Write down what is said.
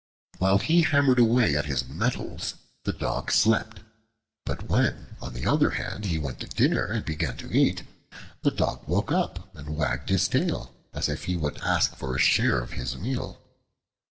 While he hammered away at his metals the Dog slept; but when, on the other hand, he went to dinner and began to eat, the Dog woke up and wagged his tail, as if he would ask for a share of his meal.